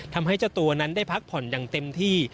ทำให้เจ้าตัวนั้นได้พักผ่อนอย่างเต็มที่